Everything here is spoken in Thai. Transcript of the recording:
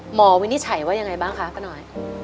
วินิจฉัยว่ายังไงบ้างคะป้าน้อย